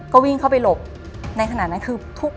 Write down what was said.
ก็วิ่งเข้าไปหลบในขณะนั้นคือทุบ